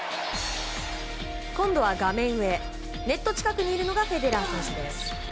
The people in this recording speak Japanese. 今度は画面上ネット近くにいるのがフェデラー選手です。